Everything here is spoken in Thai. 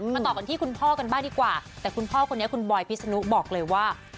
ต่อกันที่คุณพ่อกันบ้างดีกว่าแต่คุณพ่อคนนี้คุณบอยพิษนุบอกเลยว่า